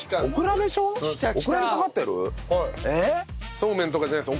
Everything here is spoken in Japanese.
そうめんとかじゃないです。